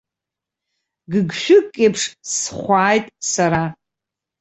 Гыгшәыгк еиԥш схәааит сара.